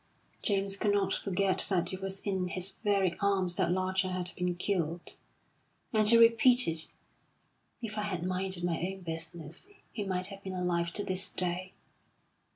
James could not forget that it was in his very arms that Larcher had been killed, and he repeated: "If I had minded my own business, he might have been alive to this day."